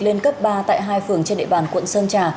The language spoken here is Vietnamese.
lên cấp ba tại hai phường trên địa bàn quận sơn trà